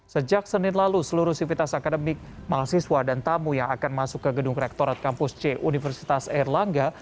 sejak senin lalu seluruh sivitas akademik mahasiswa dan tamu yang akan masuk ke gedung rektorat kampus c universitas erlangga